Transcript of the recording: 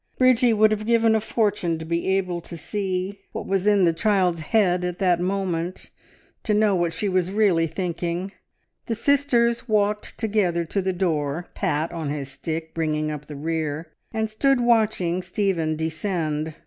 Bridgie would have given a fortune to be able to see what was in "the child's" head at that moment, to know what she was really thinking. The sisters walked together to the door, Pat, on his stick, bringing up the rear, and stood watching Stephen descend.